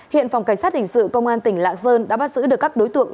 hiện phòng cảnh sát hình sự công an tỉnh lạng sơn đã bắt giữ được các đối tượng